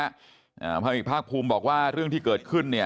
อ่าพระเอกภาคภูมิบอกว่าเรื่องที่เกิดขึ้นเนี่ย